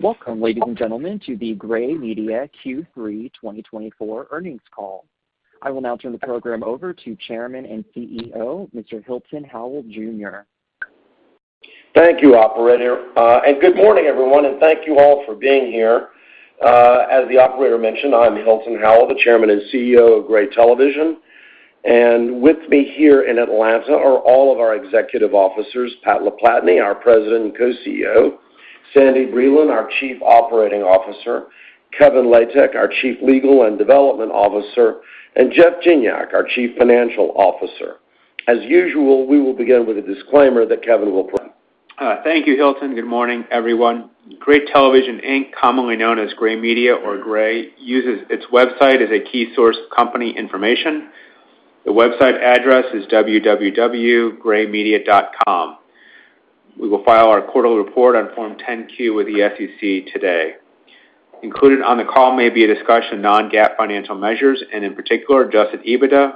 Welcome, ladies and gentlemen, to the Gray Media Q3 2024 earnings call. I will now turn the program over to Chairman and CEO, Mr. Hilton Howell, Jr. Thank you, Operator, and good morning, everyone, and thank you all for being here. As the Operator mentioned, I'm Hilton Howell, the Chairman and CEO of Gray Television, and with me here in Atlanta are all of our executive officers: Pat LaPlatney, our President and Co-CEO; Sandy Breland, our Chief Operating Officer; Kevin Latek, our Chief Legal and Development Officer; and Jeff Gignac, our Chief Financial Officer. As usual, we will begin with a disclaimer that Kevin will. Thank you, Hilton. Good morning, everyone. Gray Television, Inc., commonly known as Gray Media or Gray, uses its website as a key source of company information. The website address is www.graymedia.com. We will file our quarterly report on Form 10-Q with the SEC today. Included on the call may be a discussion of non-GAAP financial measures, and in particular, Adjusted EBITDA,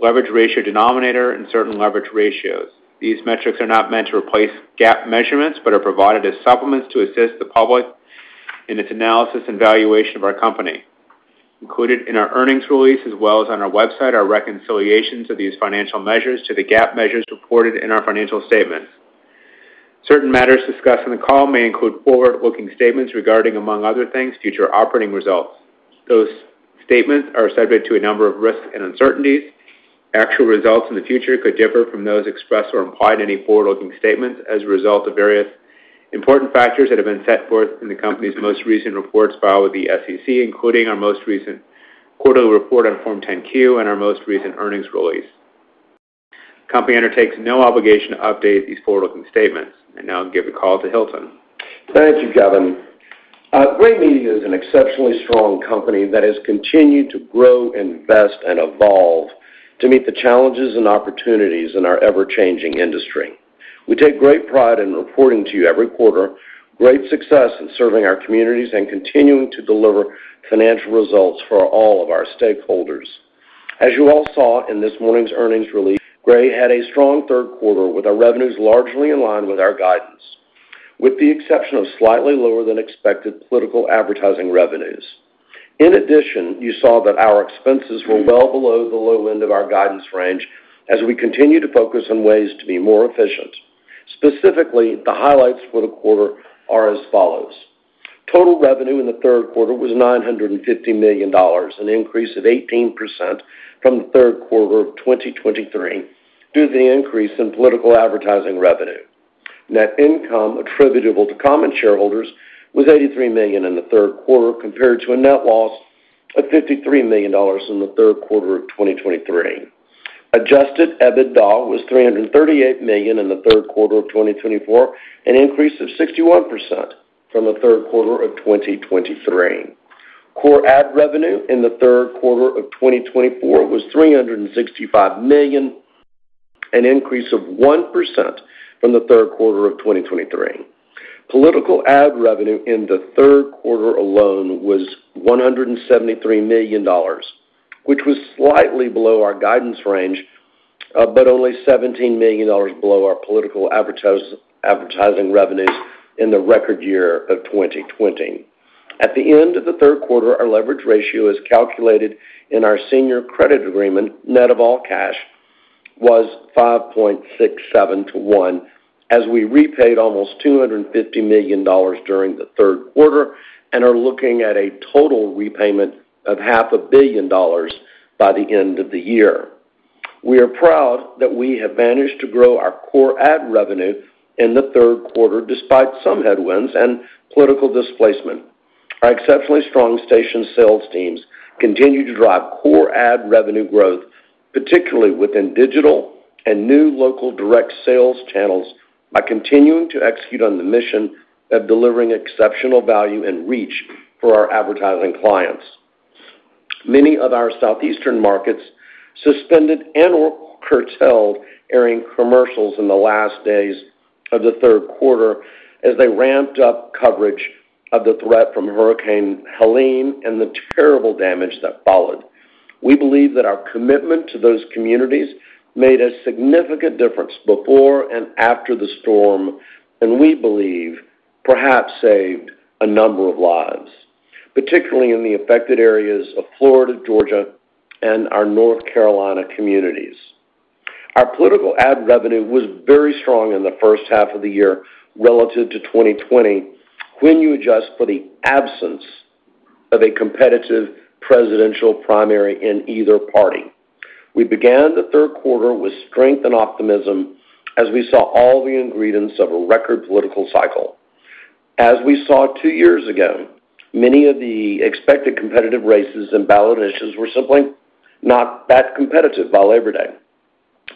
leverage ratio denominator, and certain leverage ratios. These metrics are not meant to replace GAAP measurements but are provided as supplements to assist the public in its analysis and valuation of our company. Included in our earnings release, as well as on our website, are reconciliations of these financial measures to the GAAP measures reported in our financial statements. Certain matters discussed on the call may include forward-looking statements regarding, among other things, future operating results. Those statements are subject to a number of risks and uncertainties. Actual results in the future could differ from those expressed or implied in any forward-looking statements as a result of various important factors that have been set forth in the company's most recent reports filed with the SEC, including our most recent quarterly report on Form 10-Q and our most recent earnings release. The company undertakes no obligation to update these forward-looking statements, and now I'll give the call to Hilton. Thank you, Kevin. Gray Media is an exceptionally strong company that has continued to grow, invest, and evolve to meet the challenges and opportunities in our ever-changing industry. We take great pride in reporting to you every quarter great success in serving our communities and continuing to deliver financial results for all of our stakeholders. As you all saw in this morning's earnings release, Gray had a strong third quarter with our revenues largely in line with our guidance, with the exception of slightly lower-than-expected political advertising revenues. In addition, you saw that our expenses were well below the low end of our guidance range as we continue to focus on ways to be more efficient. Specifically, the highlights for the quarter are as follows: Total revenue in the third quarter was $950 million, an increase of 18% from the third quarter of 2023 due to the increase in political advertising revenue. Net income attributable to common shareholders was $83 million in the third quarter, compared to a net loss of $53 million in the third quarter of 2023. Adjusted EBITDA was $338 million in the third quarter of 2024, an increase of 61% from the third quarter of 2023. Core ad revenue in the third quarter of 2024 was $365 million, an increase of 1% from the third quarter of 2023. Political ad revenue in the third quarter alone was $173 million, which was slightly below our guidance range but only $17 million below our political advertising revenues in the record year of 2020. At the end of the third quarter, our leverage ratio as calculated in our senior credit agreement, net of all cash, was 5.67 to 1, as we repaid almost $250 million during the third quarter and are looking at a total repayment of $500 million by the end of the year. We are proud that we have managed to grow our core ad revenue in the third quarter despite some headwinds and political displacement. Our exceptionally strong station sales teams continue to drive core ad revenue growth, particularly within digital and new local direct sales channels, by continuing to execute on the mission of delivering exceptional value and reach for our advertising clients. Many of our southeastern markets suspended and/or curtailed airing commercials in the last days of the third quarter as they ramped up coverage of the threat from Hurricane Helene and the terrible damage that followed. We believe that our commitment to those communities made a significant difference before and after the storm, and we believe perhaps saved a number of lives, particularly in the affected areas of Florida, Georgia, and our North Carolina communities. Our political ad revenue was very strong in the first half of the year relative to 2020 when you adjust for the absence of a competitive presidential primary in either party. We began the third quarter with strength and optimism as we saw all the ingredients of a record political cycle. As we saw two years ago, many of the expected competitive races and ballot initiatives were simply not that competitive by Labor Day.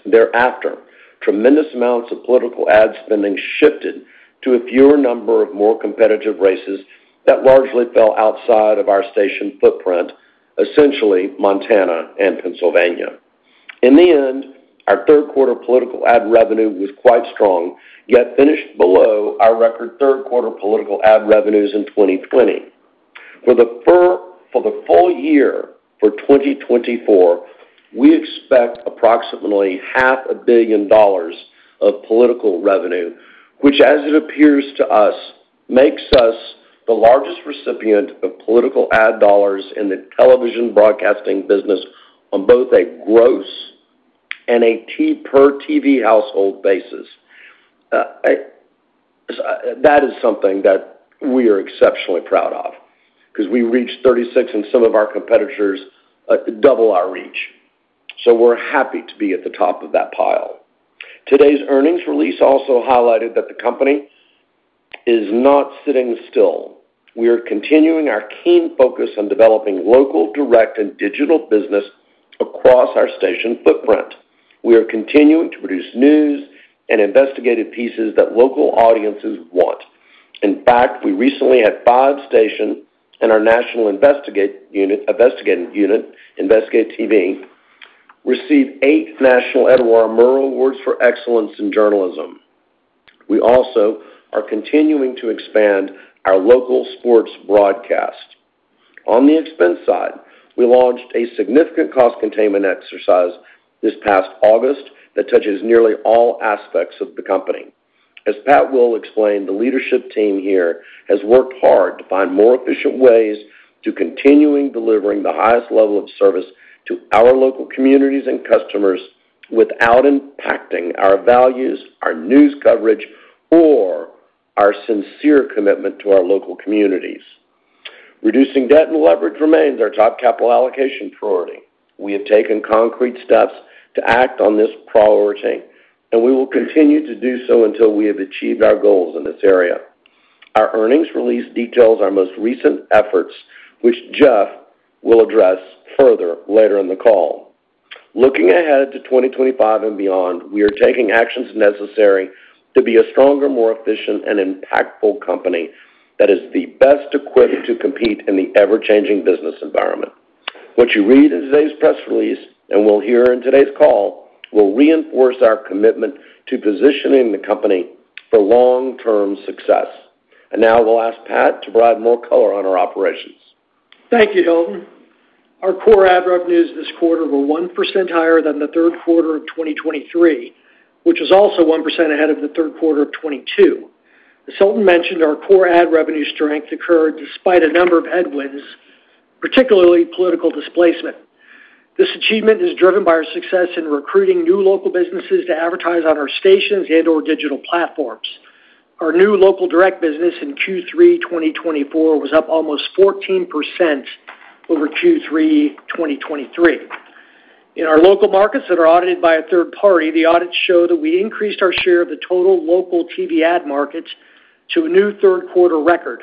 Thereafter, tremendous amounts of political ad spending shifted to a fewer number of more competitive races that largely fell outside of our station footprint, essentially Montana and Pennsylvania. In the end, our third quarter political ad revenue was quite strong, yet finished below our record third quarter political ad revenues in 2020. For the full year for 2024, we expect approximately $500 million of political revenue, which, as it appears to us, makes us the largest recipient of political ad dollars in the television broadcasting business on both a gross and a per TV household basis. That is something that we are exceptionally proud of because we reached 36, and some of our competitors double our reach. So we're happy to be at the top of that pile. Today's earnings release also highlighted that the company is not sitting still. We are continuing our keen focus on developing local, direct, and digital business across our station footprint. We are continuing to produce news and investigative pieces that local audiences want. In fact, we recently had five stations and our national investigative unit, InvestigateTV, receive eight National Edward R. Murrow Awards for Excellence in Journalism. We also are continuing to expand our local sports broadcast. On the expense side, we launched a significant cost containment exercise this past August that touches nearly all aspects of the company. As Pat will explain, the leadership team here has worked hard to find more efficient ways to continue delivering the highest level of service to our local communities and customers without impacting our values, our news coverage, or our sincere commitment to our local communities. Reducing debt and leverage remains our top capital allocation priority. We have taken concrete steps to act on this priority, and we will continue to do so until we have achieved our goals in this area. Our earnings release details our most recent efforts, which Jeff will address further later in the call. Looking ahead to 2025 and beyond, we are taking actions necessary to be a stronger, more efficient, and impactful company that is the best equipped to compete in the ever-changing business environment. What you read in today's press release and will hear in today's call will reinforce our commitment to positioning the company for long-term success. And now we'll ask Pat to provide more color on our operations. Thank you, Hilton. Our core ad revenues this quarter were 1% higher than the third quarter of 2023, which was also 1% ahead of the third quarter of 2022. As Hilton mentioned, our core ad revenue strength occurred despite a number of headwinds, particularly political displacement. This achievement is driven by our success in recruiting new local businesses to advertise on our stations and/or digital platforms. Our new local direct business in Q3 2024 was up almost 14% over Q3 2023. In our local markets that are audited by a third party, the audits show that we increased our share of the total local TV ad markets to a new third-quarter record.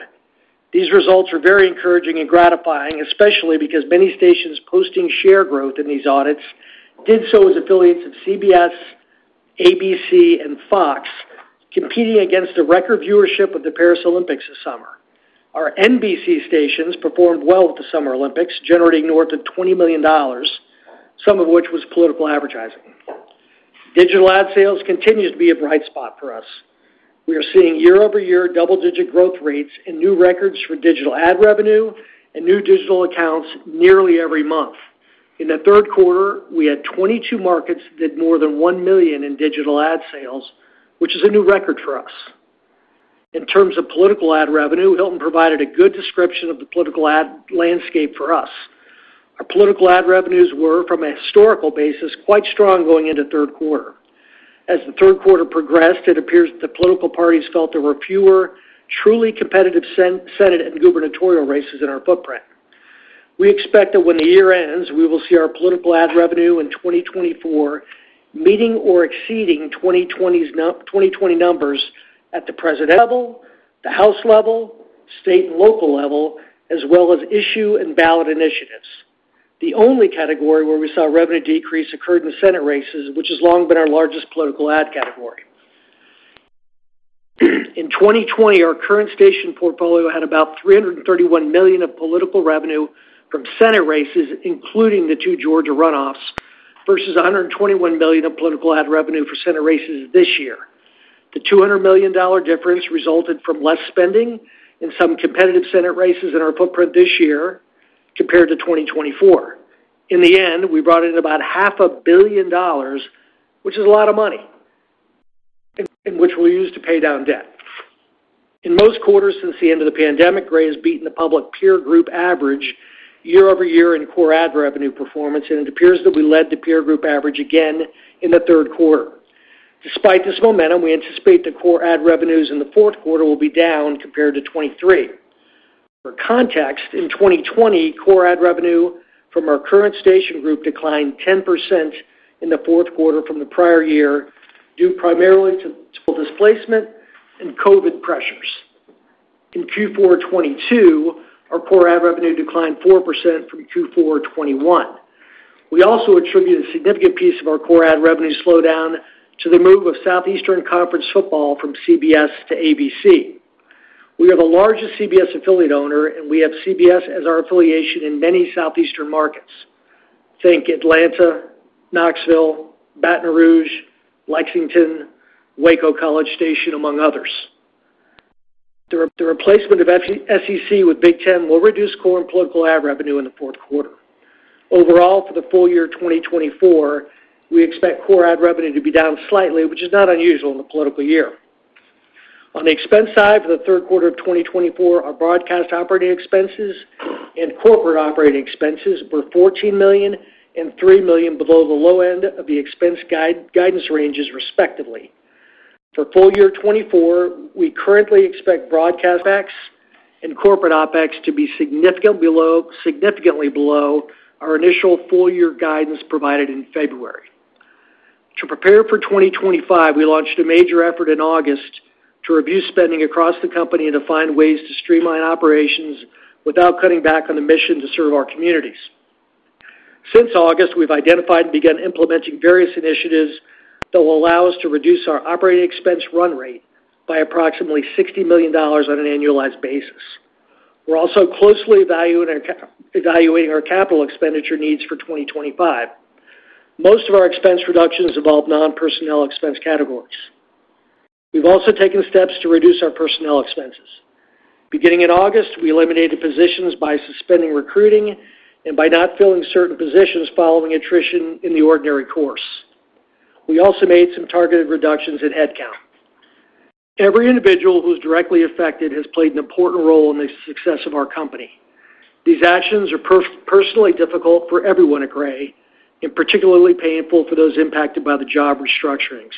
These results are very encouraging and gratifying, especially because many stations posting share growth in these audits did so as affiliates of CBS, ABC, and Fox, competing against the record viewership of the Paris Olympics this summer. Our NBC stations performed well at the Summer Olympics, generating north of $20 million, some of which was political advertising. Digital ad sales continue to be a bright spot for us. We are seeing year-over-year double-digit growth rates and new records for digital ad revenue and new digital accounts nearly every month. In the third quarter, we had 22 markets that did more than $1 million in digital ad sales, which is a new record for us. In terms of political ad revenue, Hilton provided a good description of the political ad landscape for us. Our political ad revenues were, from a historical basis, quite strong going into third quarter. As the third quarter progressed, it appears that the political parties felt there were fewer truly competitive Senate and gubernatorial races in our footprint. We expect that when the year ends, we will see our political ad revenue in 2024 meeting or exceeding 2020 numbers at the president level, the House level, state and local level, as well as issue and ballot initiatives. The only category where we saw revenue decrease occurred in Senate races, which has long been our largest political ad category. In 2020, our current station portfolio had about $331 million of political revenue from Senate races, including the two Georgia runoffs, versus $121 million of political ad revenue for Senate races this year. The $200 million difference resulted from less spending in some competitive Senate races in our footprint this year compared to 2020. In the end, we brought in about $500 million, which is a lot of money, which we'll use to pay down debt. In most quarters since the end of the pandemic, Gray has beaten the public peer group average year-over-year in core ad revenue performance, and it appears that we led the peer group average again in the third quarter. Despite this momentum, we anticipate that core ad revenues in the fourth quarter will be down compared to 2023. For context, in 2020, core ad revenue from our current station group declined 10% in the fourth quarter from the prior year due primarily to displacement and COVID pressures. In Q4 2022, our core ad revenue declined 4% from Q4 2021. We also attribute a significant piece of our core ad revenue slowdown to the move of Southeastern Conference Football from CBS to ABC. We are the largest CBS affiliate owner, and we have CBS as our affiliation in many southeastern markets. Think Atlanta, Knoxville, Baton Rouge, Lexington, Waco, College Station, among others. The replacement of SEC with Big Ten will reduce core and political ad revenue in the fourth quarter. Overall, for the full year 2024, we expect core ad revenue to be down slightly, which is not unusual in the political year. On the expense side for the third quarter of 2024, our broadcast operating expenses and corporate operating expenses were $14 million and $3 million below the low end of the expense guidance ranges, respectively. For full year 2024, we currently expect broadcast OpEx and corporate OpEx to be significantly below our initial full-year guidance provided in February. To prepare for 2025, we launched a major effort in August to review spending across the company and to find ways to streamline operations without cutting back on the mission to serve our communities. Since August, we've identified and begun implementing various initiatives that will allow us to reduce our operating expense run rate by approximately $60 million on an annualized basis. We're also closely evaluating our capital expenditure needs for 2025. Most of our expense reductions involve non-personnel expense categories. We've also taken steps to reduce our personnel expenses. Beginning in August, we eliminated positions by suspending recruiting and by not filling certain positions following attrition in the ordinary course. We also made some targeted reductions in headcount. Every individual who's directly affected has played an important role in the success of our company. These actions are personally difficult for everyone at Gray and particularly painful for those impacted by the job restructurings.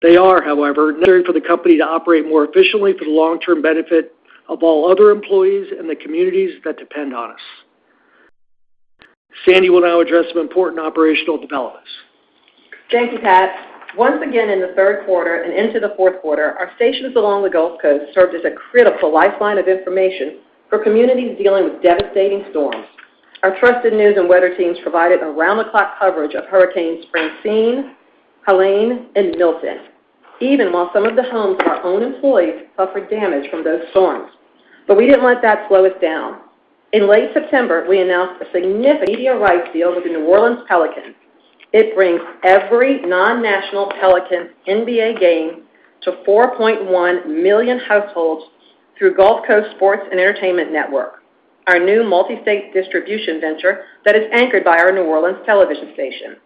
They are, however, necessary for the company to operate more efficiently for the long-term benefit of all other employees and the communities that depend on us. Sandy will now address some important operational developments. Thank you, Pat. Once again, in the third quarter and into the fourth quarter, our stations along the Gulf Coast served as a critical lifeline of information for communities dealing with devastating storms. Our trusted news and weather teams provided around-the-clock coverage of Hurricane Francine, Helene, and Milton, even while some of the homes of our own employees suffered damage from those storms. But we didn't let that slow us down. In late September, we announced a significant media rights deal with the New Orleans Pelicans. It brings every non-national Pelicans NBA game to 4.1 million households through Gulf Coast Sports and Entertainment Network, our new multi-state distribution venture that is anchored by our New Orleans television station.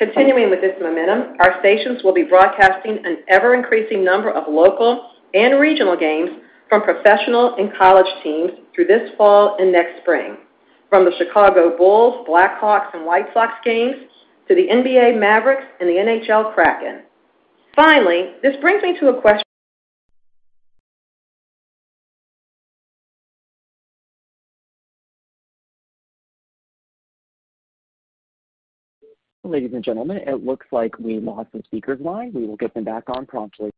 Continuing with this momentum, our stations will be broadcasting an ever-increasing number of local and regional games from professional and college teams through this fall and next spring, from the Chicago Bulls, Blackhawks, and White Sox games to the NBA Mavericks and the NHL Kraken. Finally, this brings me to a question. Ladies and gentlemen, it looks like we lost a speaker's line. We will get them back on promptly.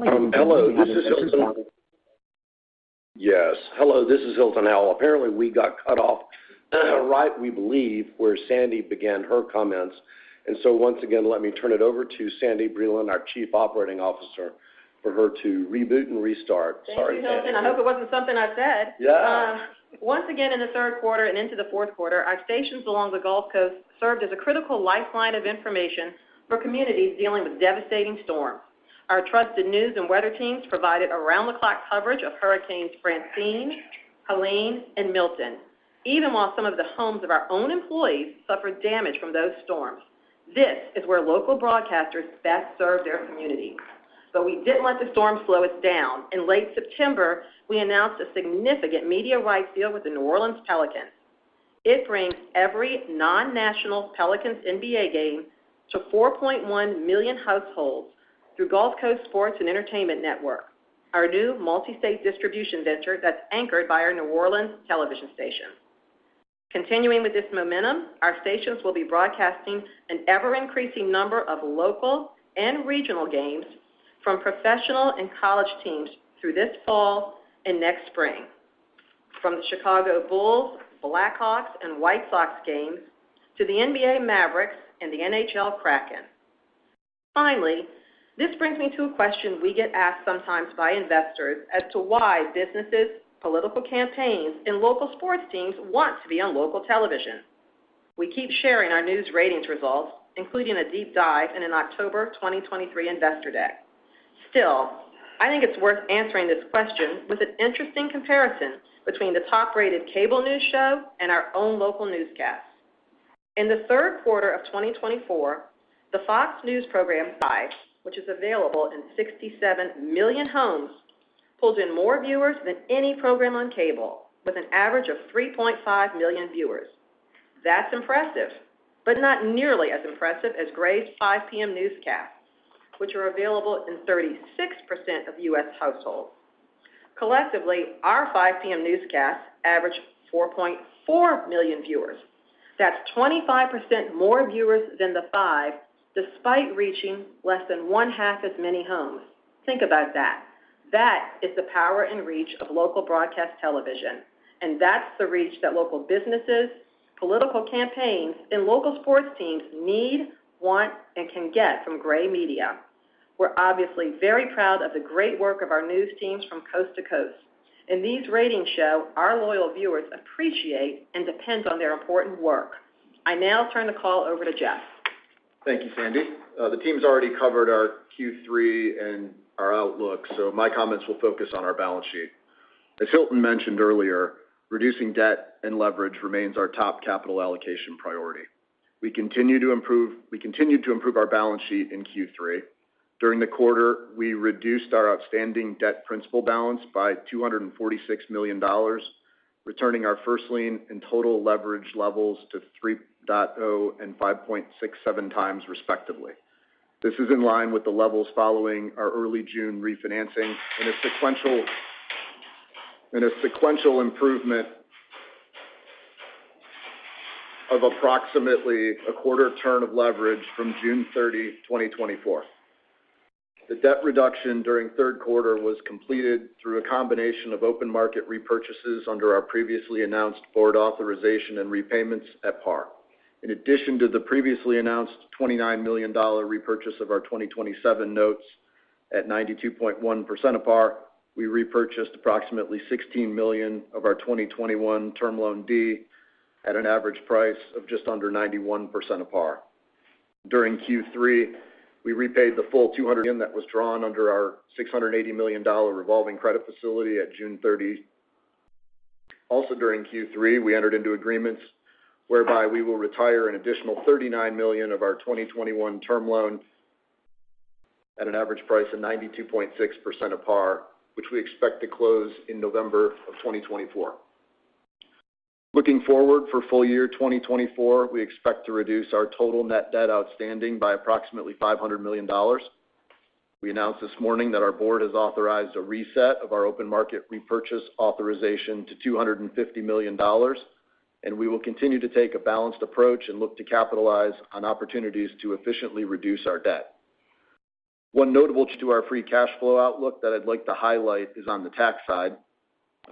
Hello. This is Hilton. Yes. Hello. This is Hilton Howell. Apparently, we got cut off right, we believe, where Sandy began her comments, and so once again, let me turn it over to Sandy Breland, our Chief Operating Officer, for her to reboot and restart. Thank you, Hilton. I hope it wasn't something I said. Yeah. Once again, in the third quarter and into the fourth quarter, our stations along the Gulf Coast served as a critical lifeline of information for communities dealing with devastating storms. Our trusted news and weather teams provided around-the-clock coverage of Hurricane Francine, Helene, and Milton, even while some of the homes of our own employees suffered damage from those storms. This is where local broadcasters best serve their communities. But we didn't let the storm slow us down. In late September, we announced a significant media rights deal with the New Orleans Pelicans. It brings every non-national Pelicans NBA game to 4.1 million households through Gulf Coast Sports and Entertainment Network, our new multi-state distribution venture that's anchored by our New Orleans television station. Continuing with this momentum, our stations will be broadcasting an ever-increasing number of local and regional games from professional and college teams through this fall and next spring, from the Chicago Bulls, Blackhawks, and White Sox games to the NBA Mavericks and the NHL Kraken. Finally, this brings me to a question we get asked sometimes by investors as to why businesses, political campaigns, and local sports teams want to be on local television. We keep sharing our news ratings results, including a deep dive in an October 2023 investor deck. Still, I think it's worth answering this question with an interesting comparison between the top-rated cable news show and our own local newscast. In the third quarter of 2024, the Fox News program, which is available in 67 million homes, pulled in more viewers than any program on cable, with an average of 3.5 million viewers. That's impressive, but not nearly as impressive as Gray's 5:00 P.M. newscasts, which are available in 36% of U.S. households. Collectively, our 5:00 P.M. newscasts average 4.4 million viewers. That's 25% more viewers than the 5:00, despite reaching less than one-half as many homes. Think about that. That is the power and reach of local broadcast television. And that's the reach that local businesses, political campaigns, and local sports teams need, want, and can get from Gray Media. We're obviously very proud of the great work of our news teams from coast to coast. In these, ratings show our loyal viewers appreciate and depend on their important work. I now turn the call over to Jeff. Thank you, Sandy. The team's already covered our Q3 and our outlook, so my comments will focus on our balance sheet. As Hilton mentioned earlier, reducing debt and leverage remains our top capital allocation priority. We continue to improve our balance sheet in Q3. During the quarter, we reduced our outstanding debt principal balance by $246 million, returning our first lien and total leverage levels to 3.0 and 5.67 times, respectively. This is in line with the levels following our early June refinancing and a sequential improvement of approximately a quarter turn of leverage from June 30, 2024. The debt reduction during third quarter was completed through a combination of open market repurchases under our previously announced board authorization and repayments at par. In addition to the previously announced $29 million repurchase of our 2027 Notes at 92.1% of par, we repurchased approximately 16 million of our 2021 Term Loan D at an average price of just under 91% of par. During Q3, we repaid the full $200 million that was drawn under our $680 million revolving credit facility at June 30. Also during Q3, we entered into agreements whereby we will retire an additional $39 million of our 2021 Term Loan at an average price of 92.6% of par, which we expect to close in November of 2024. Looking forward for full year 2024, we expect to reduce our total net debt outstanding by approximately $500 million. We announced this morning that our board has authorized a reset of our open market repurchase authorization to $250 million, and we will continue to take a balanced approach and look to capitalize on opportunities to efficiently reduce our debt. One notable aspect to our free cash flow outlook that I'd like to highlight is on the tax side.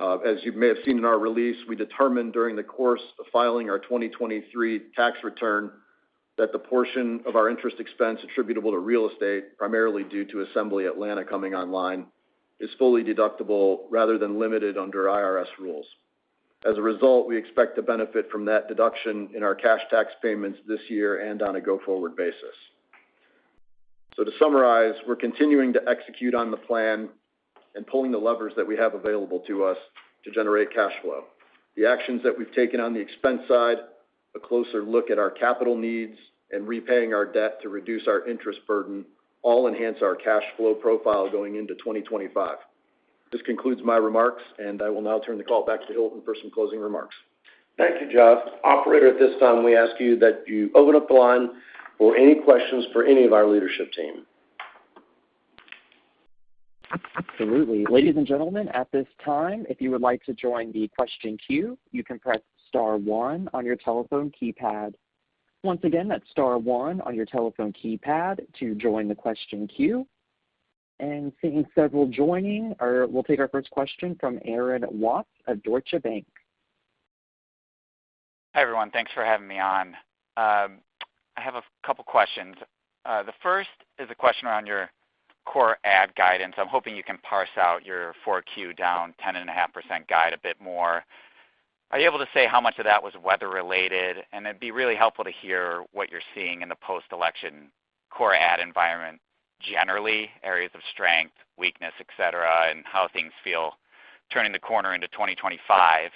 As you may have seen in our release, we determined during the course of filing our 2023 tax return that the portion of our interest expense attributable to real estate, primarily due to Assembly Atlanta coming online, is fully deductible rather than limited under IRS rules. As a result, we expect to benefit from that deduction in our cash tax payments this year and on a go-forward basis. So to summarize, we're continuing to execute on the plan and pulling the levers that we have available to us to generate cash flow. The actions that we've taken on the expense side, a closer look at our capital needs, and repaying our debt to reduce our interest burden all enhance our cash flow profile going into 2025. This concludes my remarks, and I will now turn the call back to Hilton for some closing remarks. Thank you, Jeff. Operator, at this time, we ask you that you open up the line for any questions for any of our leadership team. Absolutely. Ladies and gentlemen, at this time, if you would like to join the question queue, you can press star one on your telephone keypad. Once again, that's star one on your telephone keypad to join the question queue. And seeing several joining, we'll take our first question from Aaron Watts of Deutsche Bank. Hi everyone. Thanks for having me on. I have a couple of questions. The first is a question around your core ad guidance. I'm hoping you can parse out your 4Q down 10.5% guide a bit more. Are you able to say how much of that was weather-related? And it'd be really helpful to hear what you're seeing in the post-election core ad environment generally, areas of strength, weakness, etc., and how things feel turning the corner into 2025.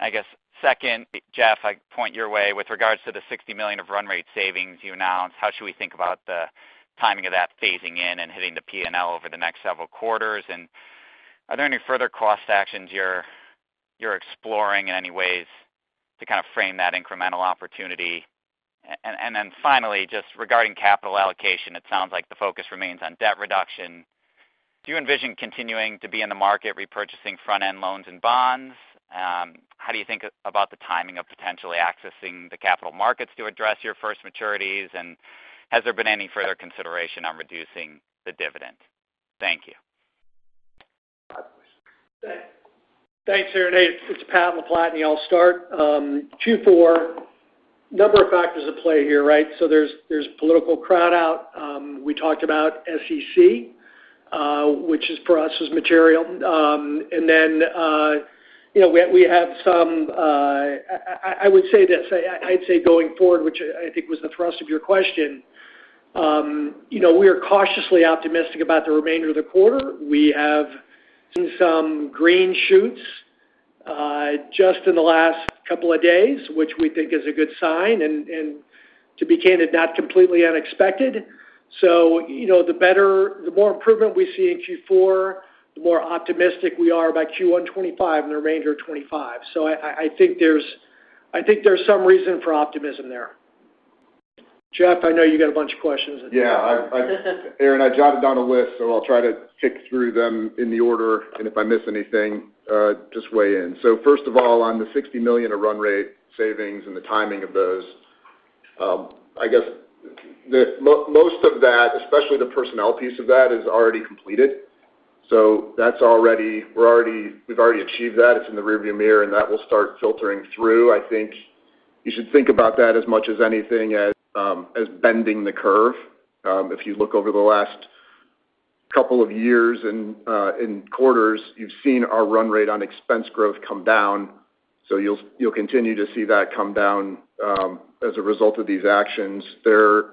I guess second, Jeff, I point your way with regards to the $60 million of run rate savings you announced. How should we think about the timing of that phasing in and hitting the P&L over the next several quarters? And are there any further cost actions you're exploring in any ways to kind of frame that incremental opportunity? Then finally, just regarding capital allocation, it sounds like the focus remains on debt reduction. Do you envision continuing to be in the market repurchasing front-end loans and bonds? How do you think about the timing of potentially accessing the capital markets to address your first maturities? And has there been any further consideration on reducing the dividend? Thank you. Good. Thanks, Aaron. It's Pat LaPlatney. I'll start. Q4, a number of factors at play here, right? So there's political crowd out. We talked about SEC, which for us is material. And then we have some, I would say, going forward, which I think was the thrust of your question, we are cautiously optimistic about the remainder of the quarter. We have seen some green shoots just in the last couple of days, which we think is a good sign and, to be candid, not completely unexpected. So the more improvement we see in Q4, the more optimistic we are about Q1 2025 and the remainder of 2025. So I think there's some reason for optimism there. Jeff, I know you got a bunch of questions. Yeah. Aaron, I jotted down a list, so I'll try to tick through them in the order. And if I miss anything, just weigh in. So first of all, on the $60 million of run rate savings and the timing of those, I guess most of that, especially the personnel piece of that, is already completed. So we've already achieved that. It's in the rearview mirror, and that will start filtering through. I think you should think about that as much as anything as bending the curve. If you look over the last couple of years and quarters, you've seen our run rate on expense growth come down. So you'll continue to see that come down as a result of these actions. There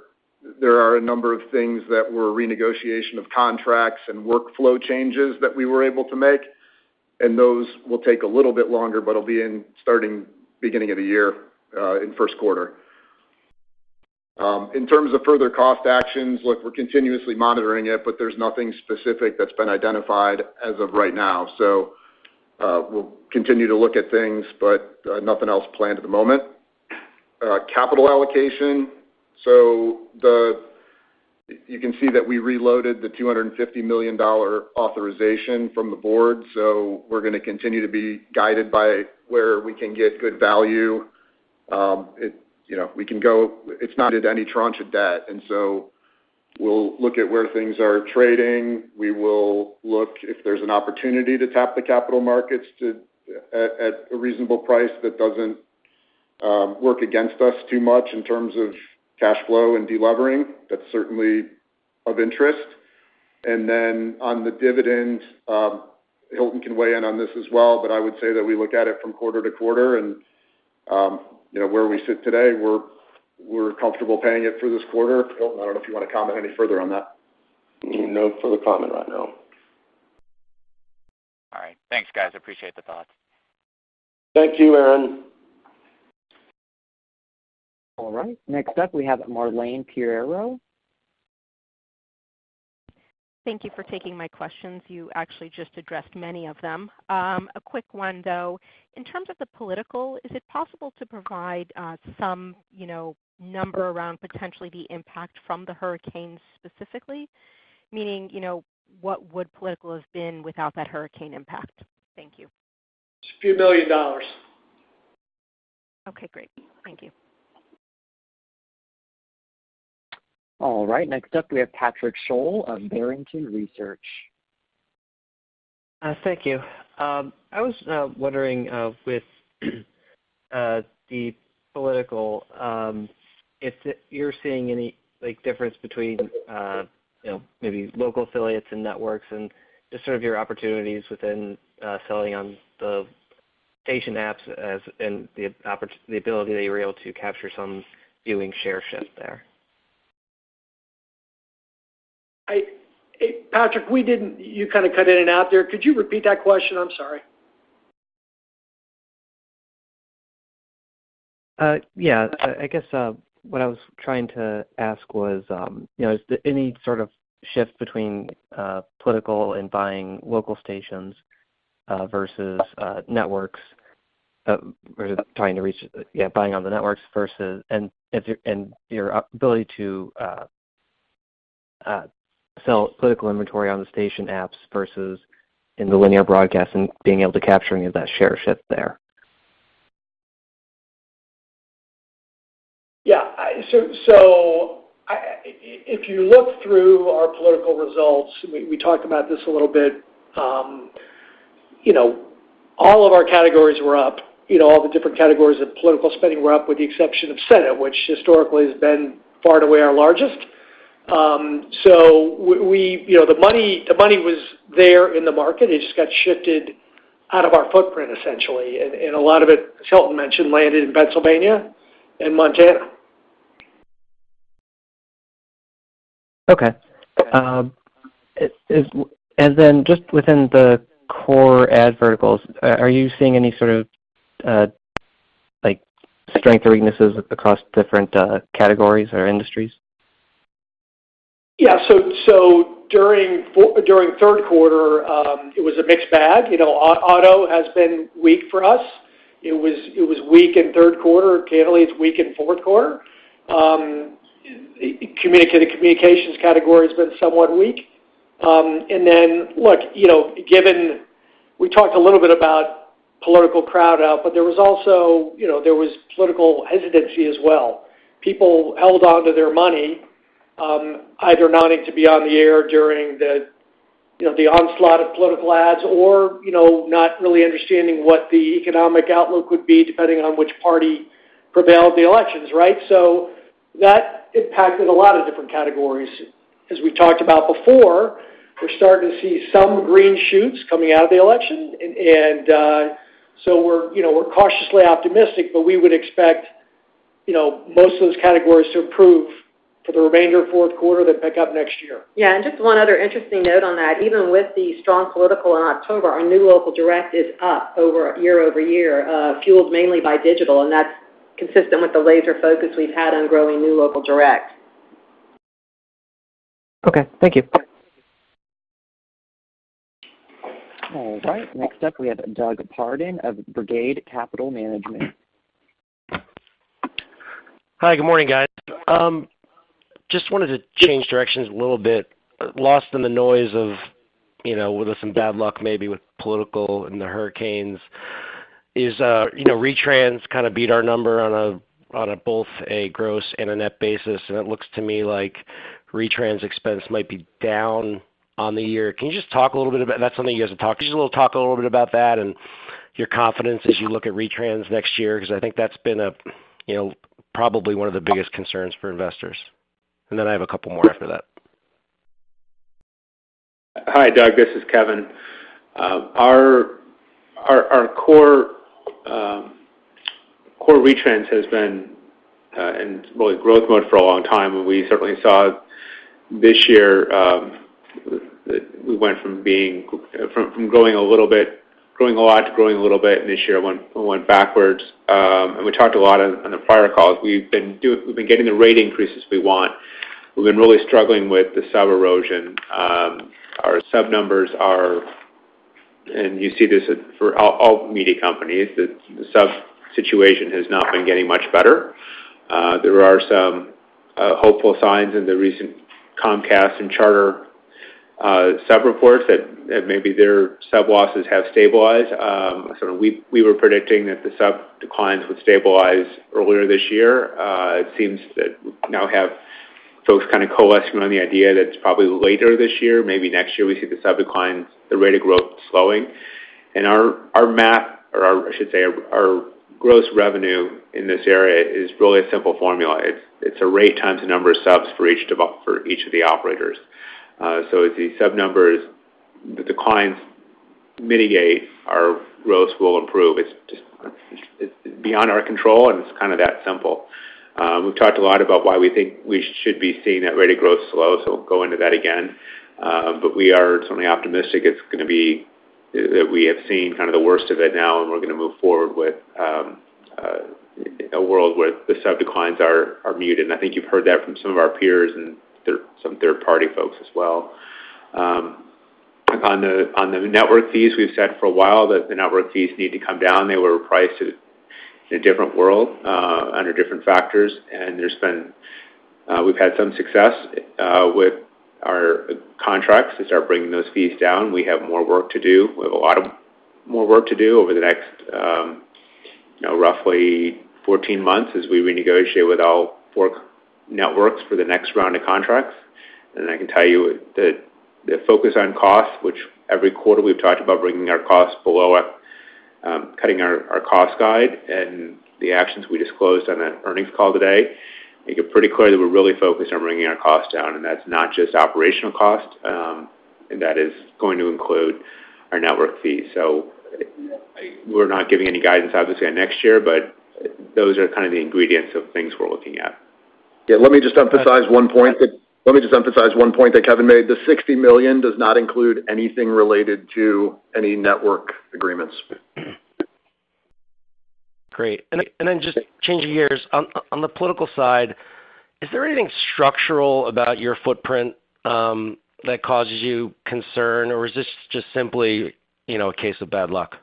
are a number of things that were renegotiation of contracts and workflow changes that we were able to make. Those will take a little bit longer, but it'll be in the beginning of the year in first quarter. In terms of further cost actions, look, we're continuously monitoring it, but there's nothing specific that's been identified as of right now. We'll continue to look at things, but nothing else planned at the moment. Capital allocation. You can see that we reloaded the $250 million authorization from the board. We're going to continue to be guided by where we can get good value. We can go. It's not any tranche of debt. We'll look at where things are trading. We will look if there's an opportunity to tap the capital markets at a reasonable price that doesn't work against us too much in terms of cash flow and delevering. That's certainly of interest. And then on the dividend, Hilton can weigh in on this as well, but I would say that we look at it from quarter to quarter. And where we sit today, we're comfortable paying it for this quarter. Hilton, I don't know if you want to comment any further on that. No further comment right now. All right. Thanks, guys. Appreciate the thoughts. Thank you, Aaron. All right. Next up, we have Marlane Pereiro. Thank you for taking my questions. You actually just addressed many of them. A quick one, though. In terms of the political, is it possible to provide some number around potentially the impact from the hurricane specifically? Meaning, what would political have been without that hurricane impact? Thank you. It's a few million dollars. Okay. Great. Thank you. All right. Next up, we have Patrick Sholl of Barrington Research. Thank you. I was wondering with the political, if you're seeing any difference between maybe local affiliates and networks and just sort of your opportunities within selling on the station apps and the ability that you were able to capture some viewing share shift there? Patrick, you kind of cut in and out there. Could you repeat that question? I'm sorry. Yeah. I guess what I was trying to ask was, is there any sort of shift between political ad buying local stations versus networks or trying to reach, yeah, buying on the networks versus and your ability to sell political inventory on the station apps versus in the linear broadcast and being able to capture any of that share shift there? Yeah. So if you look through our political results, we talked about this a little bit. All of our categories were up. All the different categories of political spending were up with the exception of Senate, which historically has been far and away our largest. So the money was there in the market. It just got shifted out of our footprint, essentially. And a lot of it, as Hilton mentioned, landed in Pennsylvania and Montana. Okay. And then just within the core ad verticals, are you seeing any sort of strengths or weaknesses across different categories or industries? Yeah. So during third quarter, it was a mixed bag. Auto has been weak for us. It was weak in third quarter. Candy is weak in fourth quarter. The communications category has been somewhat weak. And then, look, given we talked a little bit about political crowd out, but there was also political hesitancy as well. People held on to their money, either not wanting to be on the air during the onslaught of political ads or not really understanding what the economic outlook would be depending on which party prevailed the elections, right? So that impacted a lot of different categories. As we talked about before, we're starting to see some green shoots coming out of the election. And so we're cautiously optimistic, but we would expect most of those categories to improve for the remainder of fourth quarter, then pick up next year. Yeah. And just one other interesting note on that. Even with the strong political in October, our new local direct is up year over year, fueled mainly by digital. And that's consistent with the laser focus we've had on growing new local direct. Okay. Thank you. All right. Next up, we have Doug Pardon of Brigade Capital Management. Hi. Good morning, guys. Just wanted to change directions a little bit. Lost in the noise of with some bad luck maybe with political and the hurricanes, is Retrans kind of beat our number on both a gross and a net basis. And it looks to me like Retrans expense might be down on the year. Can you just talk a little bit about that's something you guys have talked? Could you just talk a little bit about that and your confidence as you look at Retrans next year? Because I think that's been probably one of the biggest concerns for investors. And then I have a couple more after that. Hi, Doug. This is Kevin. Our core Retrans has been in real growth mode for a long time. We certainly saw this year that we went from growing a little bit, growing a lot, to growing a little bit. This year, it went backwards. We talked a lot on the prior calls. We've been getting the rate increases we want. We've been really struggling with the sub-erosion. Our sub numbers are, and you see this for all media companies, the sub situation has not been getting much better. There are some hopeful signs in the recent Comcast and Charter sub reports that maybe their sub losses have stabilized. We were predicting that the sub declines would stabilize earlier this year. It seems that we now have folks kind of coalescing on the idea that it's probably later this year, maybe next year, we see the sub declines, the rate of growth slowing, and our math, or I should say our gross revenue in this area, is really a simple formula. It's a rate times the number of subs for each of the operators, so as the sub numbers, the declines mitigate, our growth will improve. It's beyond our control, and it's kind of that simple. We've talked a lot about why we think we should be seeing that rate of growth slow, so we'll go into that again, but we are certainly optimistic it's going to be that we have seen kind of the worst of it now, and we're going to move forward with a world where the sub declines are muted. And I think you've heard that from some of our peers and some third-party folks as well. On the network fees, we've said for a while that the network fees need to come down. They were priced in a different world under different factors. And we've had some success with our contracts to start bringing those fees down. We have more work to do. We have a lot of more work to do over the next roughly 14 months as we renegotiate with all four networks for the next round of contracts. And I can tell you that the focus on costs, which every quarter we've talked about bringing our costs below, cutting our cost guide and the actions we disclosed on that earnings call today, it got pretty clear that we're really focused on bringing our costs down. And that's not just operational costs. And that is going to include our network fees. So we're not giving any guidance, obviously, on next year, but those are kind of the ingredients of things we're looking at. Yeah. Let me just emphasize one point. Let me just emphasize one point that Kevin made. The $60 million does not include anything related to any network agreements. Great. And then just changing gears, on the political side, is there anything structural about your footprint that causes you concern, or is this just simply a case of bad luck?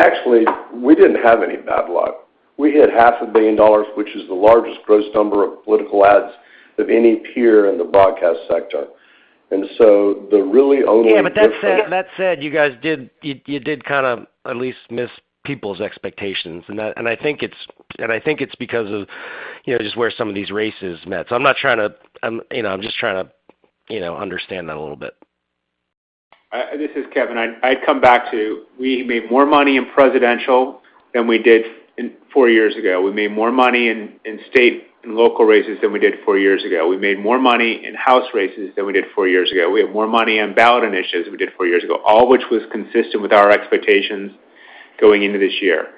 Actually, we didn't have any bad luck. We hit $500 million, which is the largest gross number of political ads of any peer in the broadcast sector. And so the really only. Yeah. But that said, you guys did kind of at least miss people's expectations. And I think it's because of just where some of these races met. So I'm just trying to understand that a little bit. This is Kevin. I'd come back to we made more money in presidential than we did four years ago. We made more money in state and local races than we did four years ago. We made more money in house races than we did four years ago. We had more money on ballot initiatives than we did four years ago, all of which was consistent with our expectations going into this year.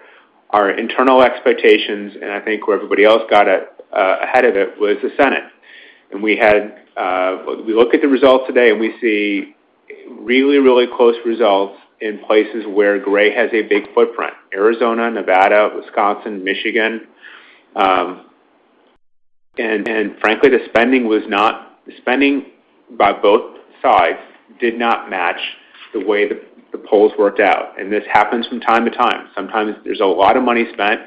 Our internal expectations, and I think where everybody else got ahead of it, was the Senate. And we look at the results today, and we see really, really close results in places where Gray has a big footprint: Arizona, Nevada, Wisconsin, Michigan. And frankly, the spending was not. The spending by both sides did not match the way the polls worked out. And this happens from time to time. Sometimes there's a lot of money spent,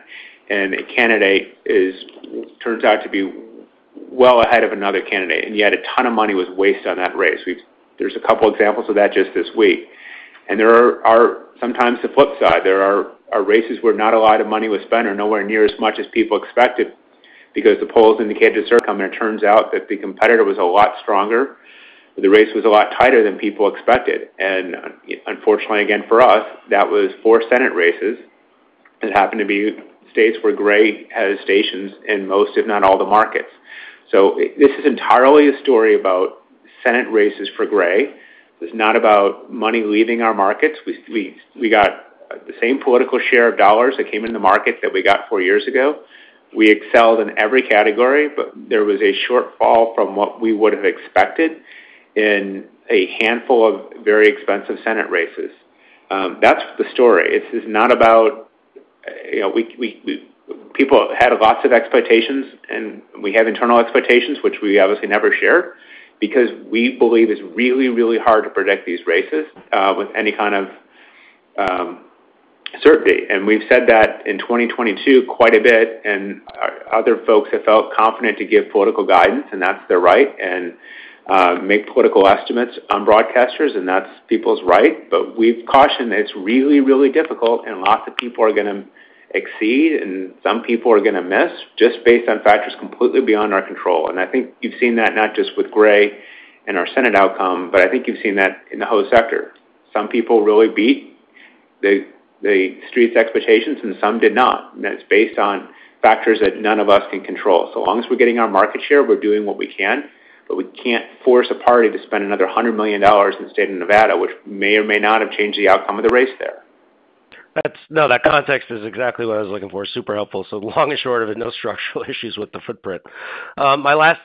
and a candidate turns out to be well ahead of another candidate. And yet a ton of money was wasted on that race. There's a couple of examples of that just this week. And there are sometimes the flip side. There are races where not a lot of money was spent or nowhere near as much as people expected because the polls indicated, and it turns out that the competitor was a lot stronger, but the race was a lot tighter than people expected. And unfortunately, again, for us, that was four Senate races. It happened to be states where Gray has stations in most, if not all, the markets. So this is entirely a story about Senate races for Gray. It's not about money leaving our markets. We got the same political share of dollars that came into the market that we got four years ago. We excelled in every category, but there was a shortfall from what we would have expected in a handful of very expensive Senate races. That's the story. This is not about people had lots of expectations, and we have internal expectations, which we obviously never shared because we believe it's really, really hard to predict these races with any kind of certainty. We've said that in 2022 quite a bit. Other folks have felt confident to give political guidance, and that's their right, and make political estimates on broadcasters. That's people's right. We've cautioned that it's really, really difficult, and lots of people are going to exceed, and some people are going to miss just based on factors completely beyond our control. And I think you've seen that not just with Gray and our Senate outcome, but I think you've seen that in the whole sector. Some people really beat the streets' expectations, and some did not. And that's based on factors that none of us can control. So long as we're getting our market share, we're doing what we can. But we can't force a party to spend another $100 million in the state of Nevada, which may or may not have changed the outcome of the race there. No, that context is exactly what I was looking for. Super helpful. So long and short of it, no structural issues with the footprint. My last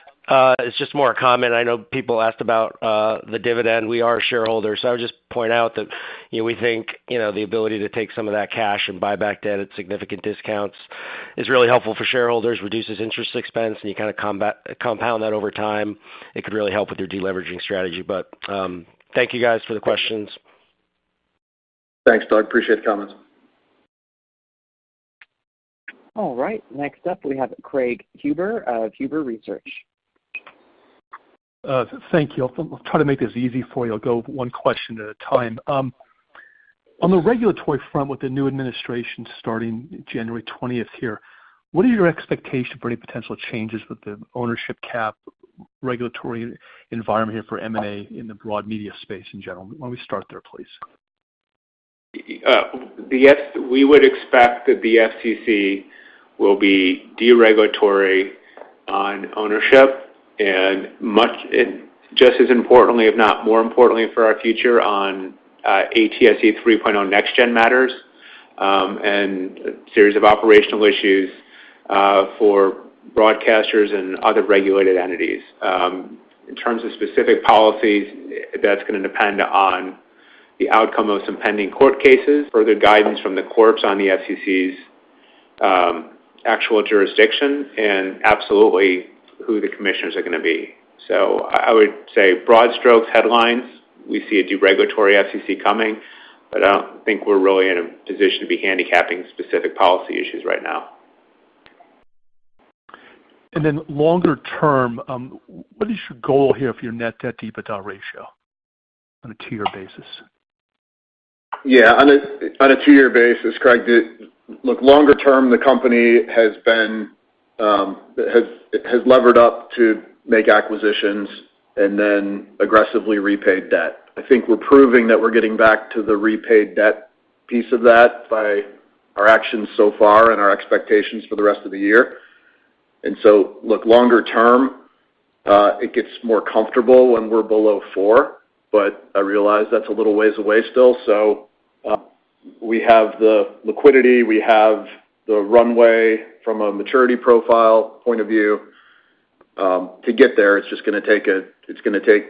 is just more a comment. I know people asked about the dividend. We are shareholders. So I would just point out that we think the ability to take some of that cash and buy back debt at significant discounts is really helpful for shareholders, reduces interest expense, and you kind of compound that over time. It could really help with your deleveraging strategy. But thank you, guys, for the questions. Thanks, Doug. Appreciate the comments. All right. Next up, we have Craig Huber of Huber Research. Thank you. I'll try to make this easy for you. I'll go one question at a time. On the regulatory front, with the new administration starting January 20th here, what are your expectations for any potential changes with the ownership cap regulatory environment here for M&A in the broad media space in general? Why don't we start there, please? We would expect that the FCC will be deregulatory on ownership and just as importantly, if not more importantly, for our future on ATSC 3.0 next-gen matters and a series of operational issues for broadcasters and other regulated entities. In terms of specific policies, that's going to depend on the outcome of some pending court cases, further guidance from the courts on the FCC's actual jurisdiction, and absolutely who the commissioners are going to be. So I would say broad strokes, headlines. We see a deregulatory FCC coming, but I don't think we're really in a position to be handicapping specific policy issues right now. Longer term, what is your goal here for your net debt to EBITDA ratio on a two-year basis? Yeah. On a two-year basis, Craig, look, longer term, the company has levered up to make acquisitions and then aggressively repaid debt. I think we're proving that we're getting back to the repaid debt piece of that by our actions so far and our expectations for the rest of the year. And so, look, longer term, it gets more comfortable when we're below four, but I realize that's a little ways away still. So we have the liquidity. We have the runway from a maturity profile point of view. To get there, it's just going to take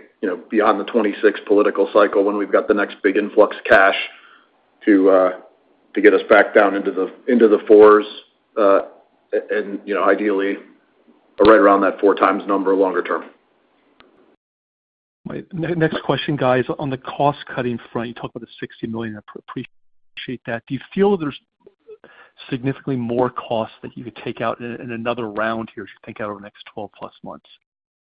beyond the 26 political cycle when we've got the next big influx of cash to get us back down into the fours, and ideally, right around that four times number longer term. Next question, guys. On the cost-cutting front, you talked about the $60 million. I appreciate that. Do you feel there's significantly more costs that you could take out in another round here as you think out over the next 12-plus months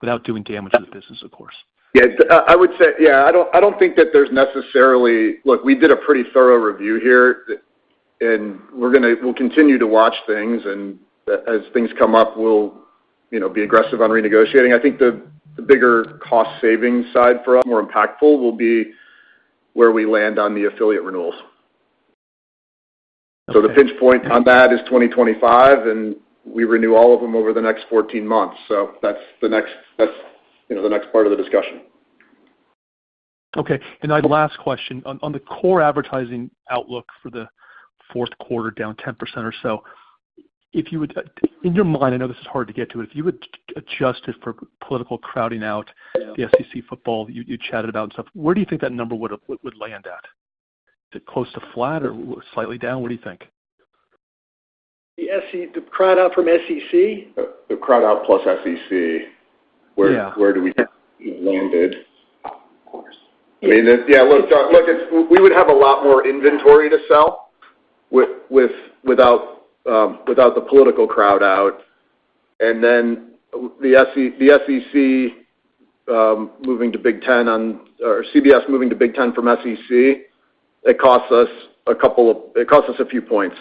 without doing damage to the business, of course? Yeah. I would say, yeah, I don't think that there's necessarily. Look, we did a pretty thorough review here, and we'll continue to watch things. And as things come up, we'll be aggressive on renegotiating. I think the bigger cost-savings side for more impactful will be where we land on the affiliate renewals. So the pinch point on that is 2025, and we renew all of them over the next 14 months. So that's the next part of the discussion. Okay, and my last question. On the core advertising outlook for the fourth quarter, down 10% or so, in your mind, I know this is hard to get to, but if you would adjust it for political crowding out the SEC football you chatted about and stuff, where do you think that number would land at? Is it close to flat or slightly down? What do you think? The crowd out from SEC? The crowd out plus SEC. Where do we land it? I mean, yeah, look, Doug, we would have a lot more inventory to sell without the political crowd out. And then the Fox moving to Big Ten on or CBS moving to Big Ten from Fox, it costs us a few points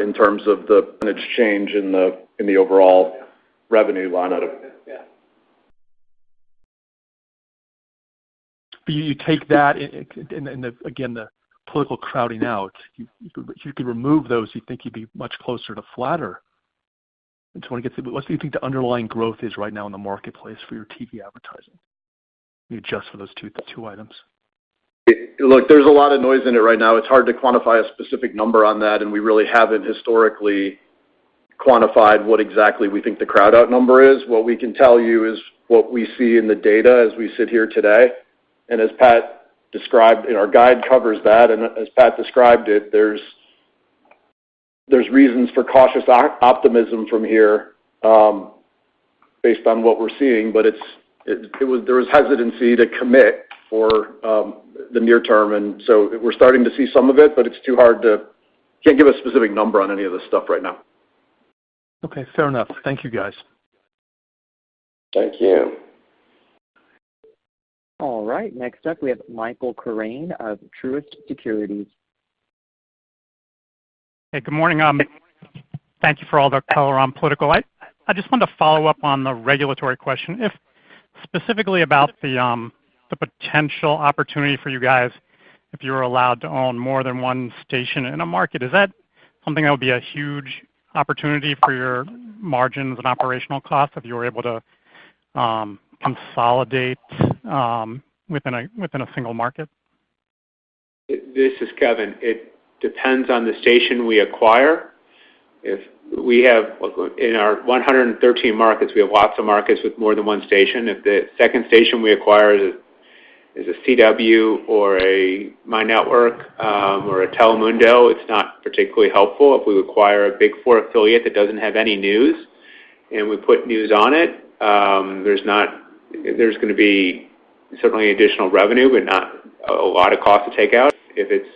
in terms of the percentage change in the overall revenue line item. Yeah. You take that, and again, the political crowding out, if you could remove those, you think you'd be much closer to flatter. And so I want to get to what do you think the underlying growth is right now in the marketplace for your TV advertising? You adjust for those two items. Look, there's a lot of noise in it right now. It's hard to quantify a specific number on that, and we really haven't historically quantified what exactly we think the crowd out number is. What we can tell you is what we see in the data as we sit here today, as Pat described, our guide covers that, as Pat described it, there's reasons for cautious optimism from here based on what we're seeing, but there was hesitancy to commit for the near term, so we're starting to see some of it, but it's too hard. Can't give a specific number on any of this stuff right now. Okay. Fair enough. Thank you, guys. Thank you. All right. Next up, we have Michael Kerrane of Truist Securities. Hey, good morning. Thank you for all the color on political. I just wanted to follow up on the regulatory question, specifically about the potential opportunity for you guys if you were allowed to own more than one station in a market. Is that something that would be a huge opportunity for your margins and operational costs if you were able to consolidate within a single market? This is Kevin. It depends on the station we acquire. In our 113 markets, we have lots of markets with more than one station. If the second station we acquire is a CW or a MyNetwork or a Telemundo, it's not particularly helpful. If we acquire a Big Four affiliate that doesn't have any news and we put news on it, there's going to be certainly additional revenue, but not a lot of cost to take out. If it's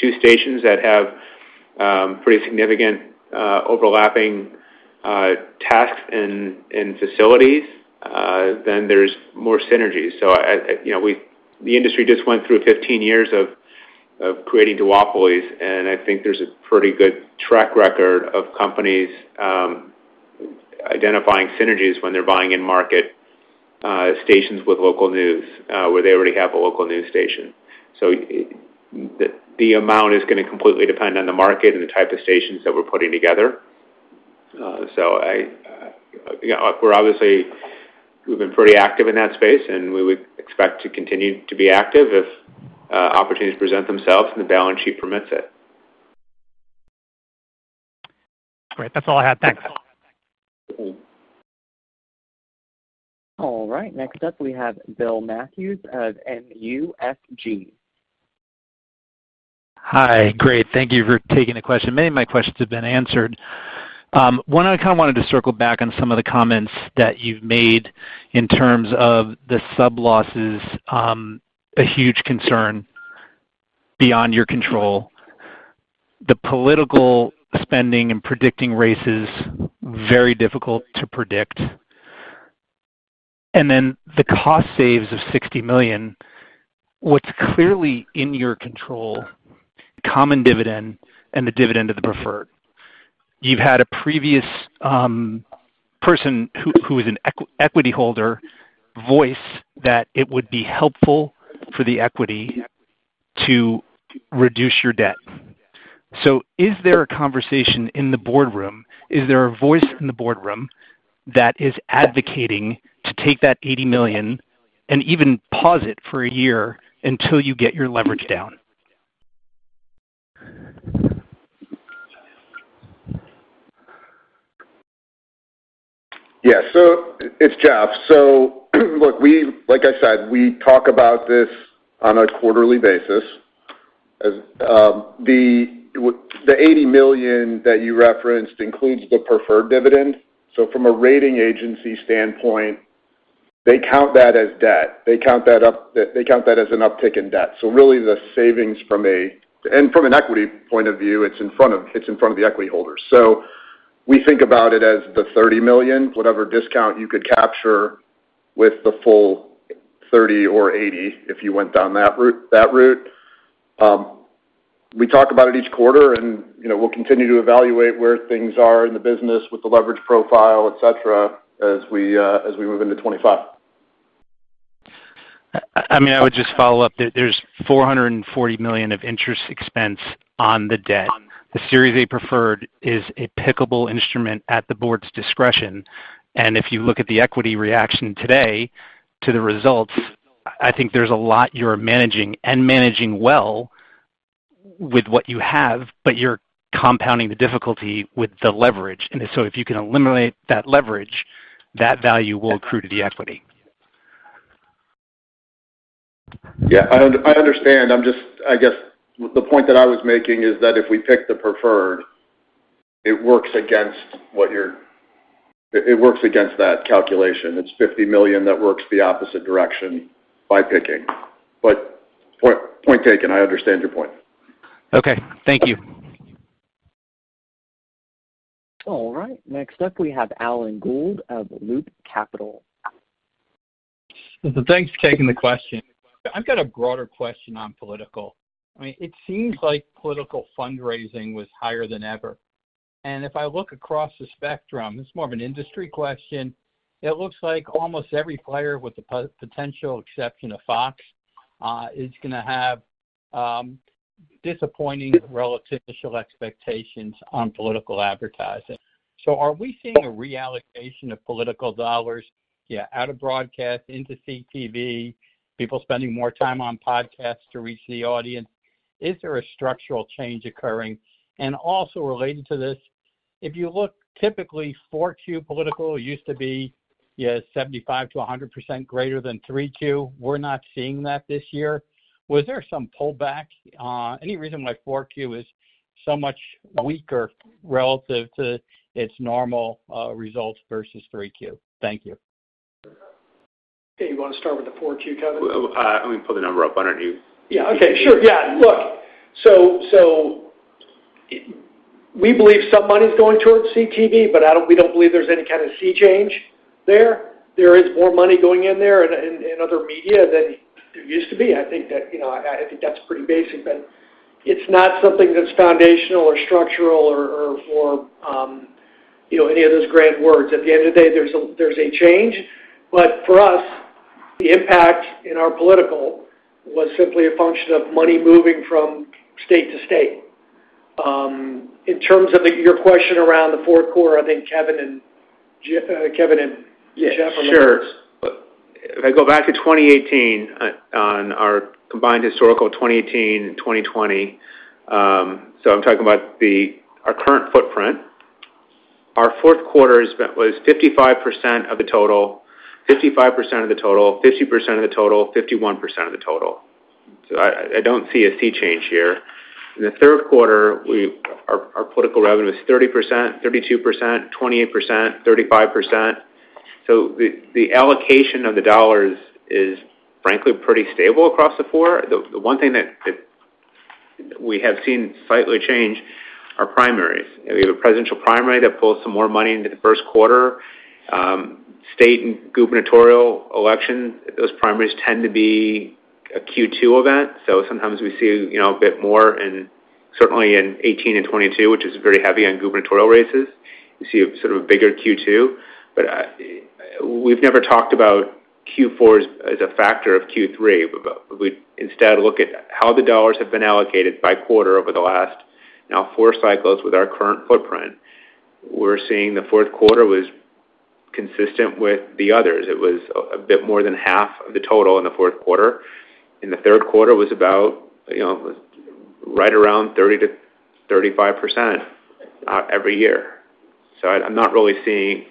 two stations that have pretty significant overlapping tasks and facilities, then there's more synergies. So the industry just went through 15 years of creating duopolies, and I think there's a pretty good track record of companies identifying synergies when they're buying in-market stations with local news where they already have a local news station. The amount is going to completely depend on the market and the type of stations that we're putting together. We've been pretty active in that space, and we would expect to continue to be active if opportunities present themselves and the balance sheet permits it. All right. That's all I had. Thanks. All right. Next up, we have Bill Matthews of NUSG. Hi, Gray. Thank you for taking the question. Many of my questions have been answered. One I kind of wanted to circle back on some of the comments that you've made in terms of the sub-losses, a huge concern beyond your control, the political spending and predicting races, very difficult to predict, and then the cost savings of $60 million. What's clearly in your control, the common dividend and the dividend of the preferred. You've had a previous person who is an equity holder voice that it would be helpful for the equity to reduce your debt. So is there a conversation in the boardroom? Is there a voice in the boardroom that is advocating to take that $80 million and even pause it for a year until you get your leverage down? Yeah. So it's Jeff. So look, like I said, we talk about this on a quarterly basis. The $80 million that you referenced includes the preferred dividend. So from a rating agency standpoint, they count that as debt. They count that as an uptick in debt. So really, the savings from an equity point of view, it's in front of the equity holders. So we think about it as the $30 million, whatever discount you could capture with the full $30 million or $80 million if you went down that route. We talk about it each quarter, and we'll continue to evaluate where things are in the business with the leverage profile, etc., as we move into 2025. I mean, I would just follow up. There's $440 million of interest expense on the debt. The Series A preferred is a pickable instrument at the board's discretion. And if you look at the equity reaction today to the results, I think there's a lot you're managing and managing well with what you have, but you're compounding the difficulty with the leverage. And so if you can eliminate that leverage, that value will accrue to the equity. Yeah. I understand. I guess the point that I was making is that if we pick the preferred, it works against what you're, it works against that calculation. It's $50 million that works the opposite direction by picking. But point taken. I understand your point. Okay. Thank you. All right. Next up, we have Alan Gould of Loop Capital. Thanks for taking the question. I've got a broader question on political. I mean, it seems like political fundraising was higher than ever. And if I look across the spectrum, it's more of an industry question. It looks like almost every player with the potential exception of Fox is going to have disappointing relative initial expectations on political advertising. So are we seeing a reallocation of political dollars, yeah, out of broadcast into CTV, people spending more time on podcasts to reach the audience? Is there a structural change occurring? And also related to this, if you look, typically, 4Q political used to be 75%-100% greater than 3Q. We're not seeing that this year. Was there some pullback? Any reason why 4Q is so much weaker relative to its normal results versus 3Q? Thank you. Okay. You want to start with the 4Q, Kevin? Let me pull the number up. Why don't you? Yeah. Okay. Sure. Yeah. Look, so we believe some money's going towards CTV, but we don't believe there's any kind of sea change there. There is more money going in there in other media than there used to be. I think that's pretty basic, but it's not something that's foundational or structural or any of those grand words. At the end of the day, there's a change. But for us, the impact in our political was simply a function of money moving from state to state. In terms of your question around the fourth quarter, I think Kevin and Jeff are looking at this. Yeah. Sure. If I go back to 2018, on our combined historical 2018 and 2020, so I'm talking about our current footprint, our fourth quarter was 55% of the total, 55% of the total, 50% of the total, 51% of the total. So I don't see a sea change here. In the third quarter, our political revenue was 30%, 32%, 28%, 35%. So the allocation of the dollars is, frankly, pretty stable across the four. The one thing that we have seen slightly change are primaries. We have a presidential primary that pulls some more money into the first quarter. State and gubernatorial elections, those primaries tend to be a Q2 event. So sometimes we see a bit more in certainly in 2018 and 2022, which is very heavy on gubernatorial races. You see sort of a bigger Q2. But we've never talked about Q4 as a factor of Q3. Instead, look at how the dollars have been allocated by quarter over the last now four cycles with our current footprint. We're seeing the fourth quarter was consistent with the others. It was a bit more than half of the total in the fourth quarter. In the third quarter, it was about right around 30%-35% every year. So I'm not really seeing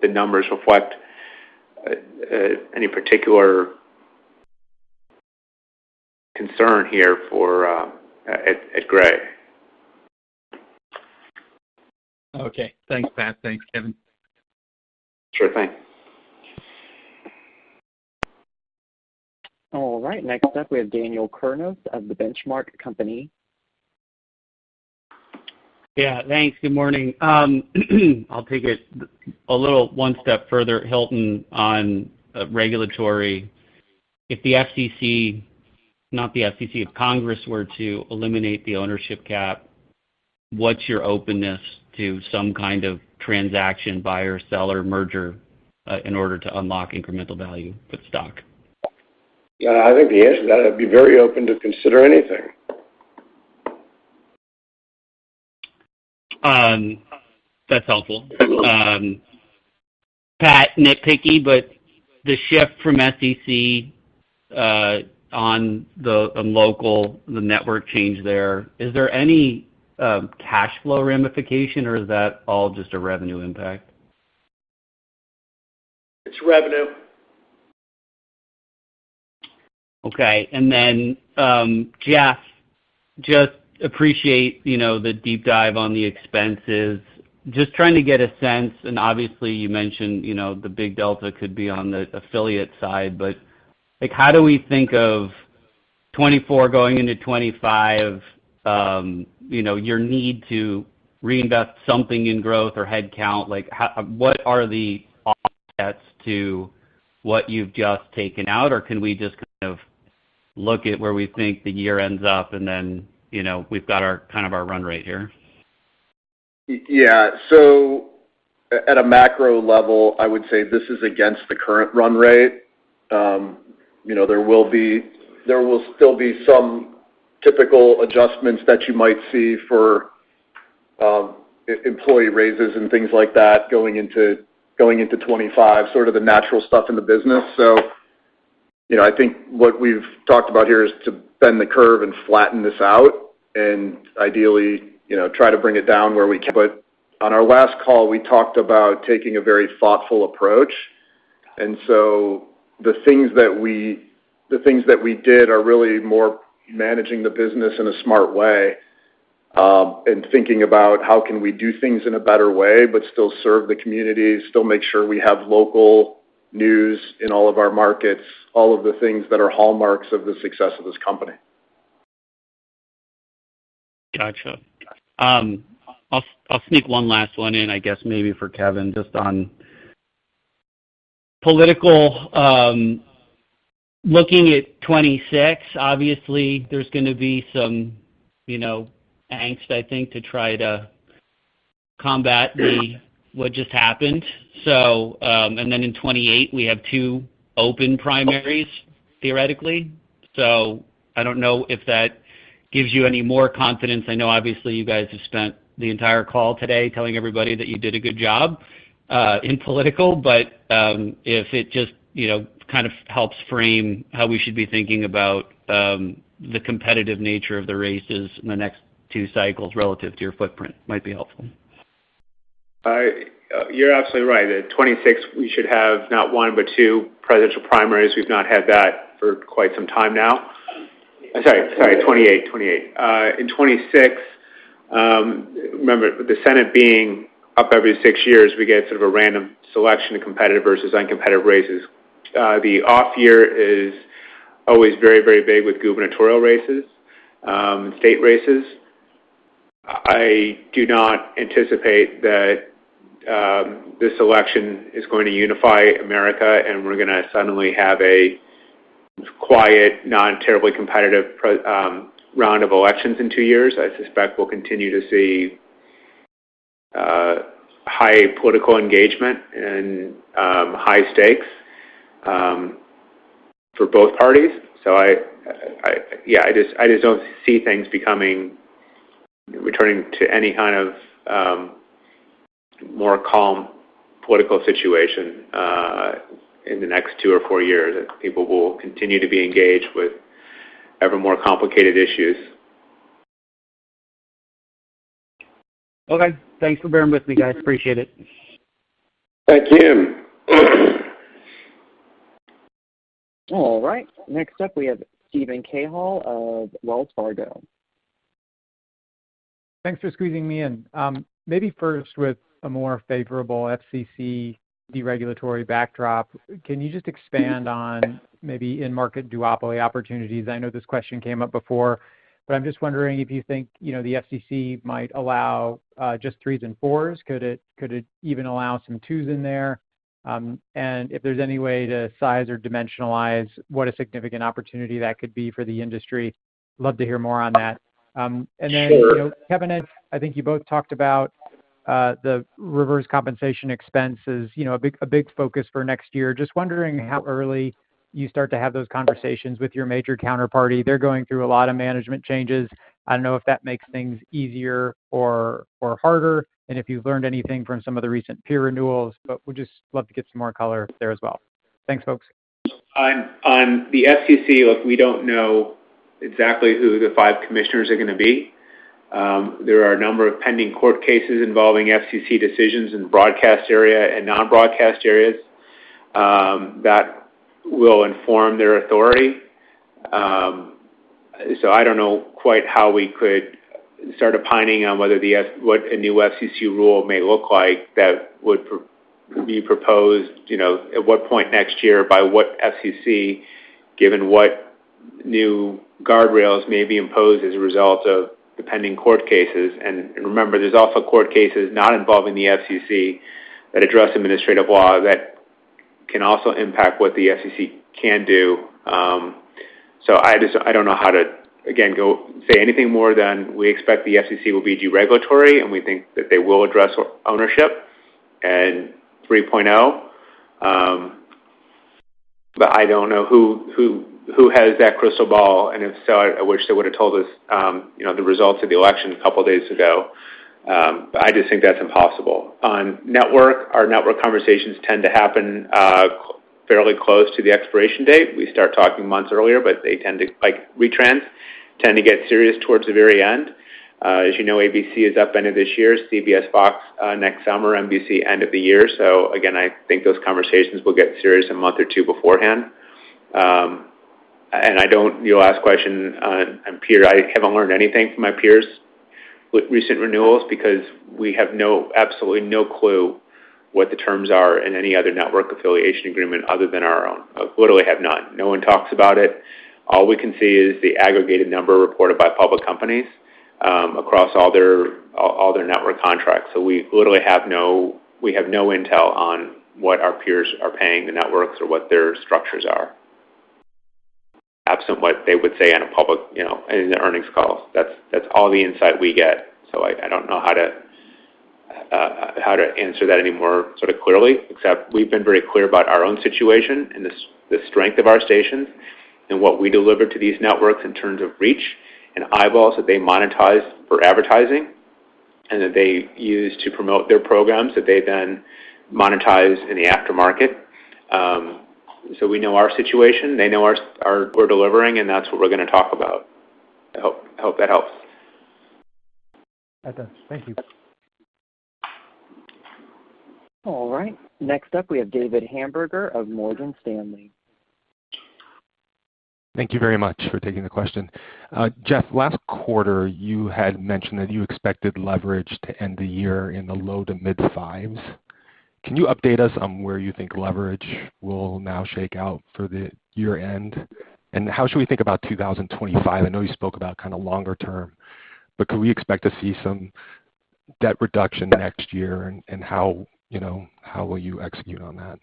the numbers reflect any particular concern here at Gray. Okay. Thanks, Pat. Thanks, Kevin. Sure thing. All right. Next up, we have Dan Kurnos of The Benchmark Company. Yeah. Thanks. Good morning. I'll take it a little one step further, Hilton, on regulatory. If the FCC, not the FCC, if Congress were to eliminate the ownership cap, what's your openness to some kind of transaction, buyer, seller, merger in order to unlock incremental value with stock? Yeah. I think the answer to that, I'd be very open to consider anything. That's helpful. Pat, nitpicky, but the shift from FCC on the local, the network change there, is there any cash flow ramification, or is that all just a revenue impact? It's revenue. Okay, and then, Jeff, just appreciate the deep dive on the expenses. Just trying to get a sense, and obviously, you mentioned the big delta could be on the affiliate side, but how do we think of 2024 going into 2025, your need to reinvest something in growth or headcount? What are the offsets to what you've just taken out, or can we just kind of look at where we think the year ends up, and then we've got kind of our run rate here? Yeah. So at a macro level, I would say this is against the current run rate. There will still be some typical adjustments that you might see for employee raises and things like that going into 2025, sort of the natural stuff in the business, so I think what we've talked about here is to bend the curve and flatten this out and ideally try to bring it down where we. But on our last call, we talked about taking a very thoughtful approach, and so the things that we did are really more managing the business in a smart way and thinking about how can we do things in a better way but still serve the community, still make sure we have local news in all of our markets, all of the things that are hallmarks of the success of this company. Gotcha. I'll sneak one last one in, I guess, maybe for Kevin, just on political. Looking at 2026, obviously, there's going to be some angst, I think, to try to combat what just happened. And then in 2028, we have two open primaries, theoretically. So I don't know if that gives you any more confidence. I know, obviously, you guys have spent the entire call today telling everybody that you did a good job in political, but if it just kind of helps frame how we should be thinking about the competitive nature of the races in the next two cycles relative to your footprint, it might be helpful. You're absolutely right. In 2026, we should have not one but two presidential primaries. We've not had that for quite some time now. Sorry. Sorry. 2028. 2028. In 2026, remember, with the Senate being up every six years, we get sort of a random selection of competitive versus uncompetitive races. The off year is always very, very big with gubernatorial races and state races. I do not anticipate that this election is going to unify America, and we're going to suddenly have a quiet, not terribly competitive round of elections in two years. I suspect we'll continue to see high political engagement and high stakes for both parties. So yeah, I just don't see things returning to any kind of more calm political situation in the next two or four years. People will continue to be engaged with ever more complicated issues. Okay. Thanks for bearing with me, guys. Appreciate it. Thank you. All right. Next up, we have Steven Cahall of Wells Fargo. Thanks for squeezing me in. Maybe first, with a more favorable FCC deregulatory backdrop, can you just expand on maybe in-market duopoly opportunities? I know this question came up before, but I'm just wondering if you think the FCC might allow just threes and fours? Could it even allow some twos in there? And if there's any way to size or dimensionalize what a significant opportunity that could be for the industry, love to hear more on that. And then, Kevin, I think you both talked about the reverse compensation expense as a big focus for next year. Just wondering how early you start to have those conversations with your major counterparty. They're going through a lot of management changes. I don't know if that makes things easier or harder and if you've learned anything from some of the recent peer renewals, but we'd just love to get some more color there as well. Thanks, folks. On the FCC, look, we don't know exactly who the five commissioners are going to be. There are a number of pending court cases involving FCC decisions in broadcast area and non-broadcast areas that will inform their authority, so I don't know quite how we could start opining on what a new FCC rule may look like that would be proposed at what point next year by what FCC, given what new guardrails may be imposed as a result of the pending court cases, and remember, there's also court cases not involving the FCC that address administrative law that can also impact what the FCC can do, so I don't know how to, again, say anything more than we expect the FCC will be deregulatory, and we think that they will address ownership and 3.0. But I don't know who has that crystal ball, and if so, I wish they would have told us the results of the election a couple of days ago. But I just think that's impossible. On network, our network conversations tend to happen fairly close to the expiration date. We start talking months earlier, but they tend to retrans, tend to get serious towards the very end. As you know, ABC is up end of this year, CBS, Fox next summer, NBC end of the year. So again, I think those conversations will get serious a month or two beforehand. And your last question on peers, I haven't learned anything from my peers with recent renewals because we have absolutely no clue what the terms are in any other network affiliation agreement other than our own. Literally, have none. No one talks about it. All we can see is the aggregated number reported by public companies across all their network contracts. So we literally have no intel on what our peers are paying the networks or what their structures are, absent what they would say publicly in the earnings calls. That's all the insight we get. So I don't know how to answer that anymore sort of clearly, except we've been very clear about our own situation and the strength of our stations and what we deliver to these networks in terms of reach and eyeballs that they monetize for advertising and that they use to promote their programs that they then monetize in the aftermarket. So we know our situation. They know ours. We're delivering, and that's what we're going to talk about. I hope that helps. That does. Thank you. All right. Next up, we have David Hamburger of Morgan Stanley. Thank you very much for taking the question. Jeff, last quarter, you had mentioned that you expected leverage to end the year in the low to mid-fives. Can you update us on where you think leverage will now shake out for the year end? And how should we think about 2025? I know you spoke about kind of longer term, but could we expect to see some debt reduction next year, and how will you execute on that?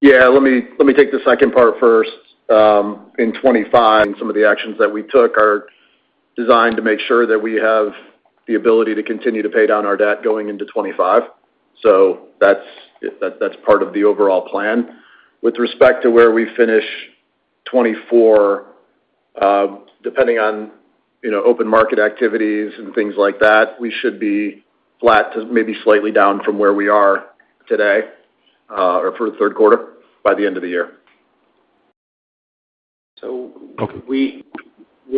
Yeah. Let me take the second part first. In 2025, some of the actions that we took are designed to make sure that we have the ability to continue to pay down our debt going into 2025. So that's part of the overall plan. With respect to where we finish 2024, depending on open market activities and things like that, we should be flat to maybe slightly down from where we are today or for the third quarter by the end of the year.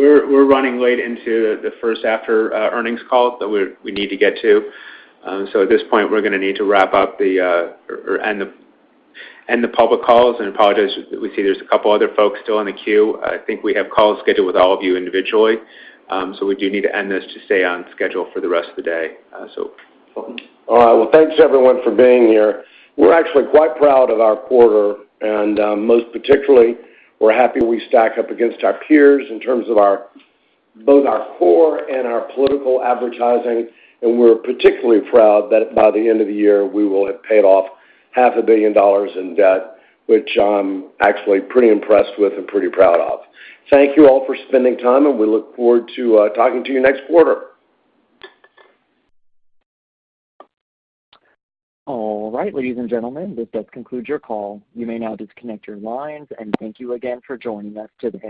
We're running late into the first after-earnings call that we need to get to. At this point, we're going to need to wrap up or end the public calls. Apologies that we see there's a couple other folks still on the queue. I think we have calls scheduled with all of you individually. We do need to end this to stay on schedule for the rest of the day. All right. Well, thanks, everyone, for being here. We're actually quite proud of our quarter, and most particularly, we're happy we stack up against our peers in terms of both our core and our political advertising, and we're particularly proud that by the end of the year, we will have paid off $500 million in debt, which I'm actually pretty impressed with and pretty proud of. Thank you all for spending time, and we look forward to talking to you next quarter. All right. Ladies and gentlemen, this does conclude your call. You may now disconnect your lines. And thank you again for joining us today.